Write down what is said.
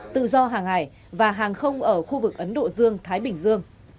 tự do hàng hải và hàng không ở khu vực ấn độ dương thái bình dương